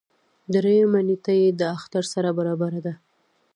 دريیمه نېټه یې د اختر سره برابره ده.